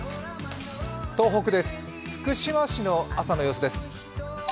東北です、福島市の朝の様子です。